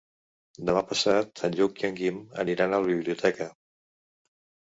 Demà passat en Lluc i en Guim aniran a la biblioteca.